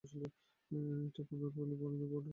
এটি পুন্তমল্লী-বড়পালনি-ব্রডওয়ে বাস রুটে অবস্থিত।